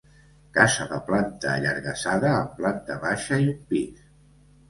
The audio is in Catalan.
Casa de planta allargassada amb planta baixa i un pis.